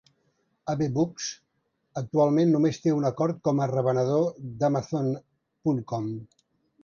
AbeBooks actualment només té un acord com a revenedor d'Amazon.com.